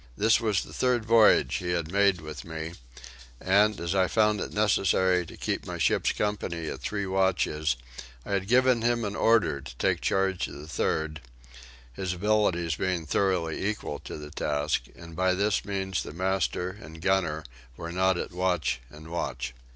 This was the third voyage he had made with me and, as I found it necessary to keep my ship's company at three watches, I had given him an order to take charge of the third, his abilities being thoroughly equal to the task; and by this means the master and gunner were not at watch and watch.